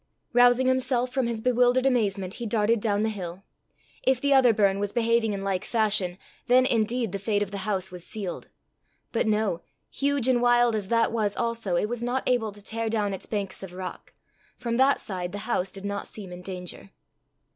Rousing himself from his bewildered amazement, he darted down the hill. If the other burn was behaving in like fashion, then indeed the fate of the house was sealed. But no; huge and wild as that was also, it was not able to tear down its banks of rock. From that side the house did not seem in danger.